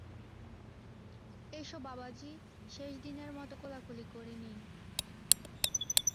S বাবাজি, শেষ দিনের মতো কোলাকুলি করে নিই।